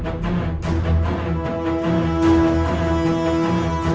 janganlah dia menghadapku